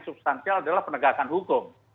substansial adalah penegakan hukum